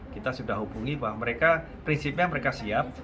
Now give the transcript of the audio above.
kita sudah hubungi bahwa mereka prinsipnya mereka siap